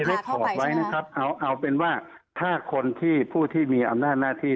เรามีรายรกสอบไว้นะครับเอาเป็นว่าถ้าคนที่ผู้ที่อำนาจหน้าที่